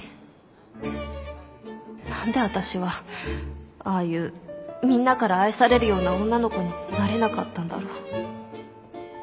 何で私はああいうみんなから愛されるような女の子になれなかったんだろう。